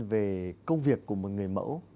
về công việc của một người mẫu